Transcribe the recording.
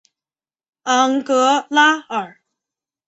昂格拉尔。